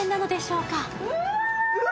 うわ！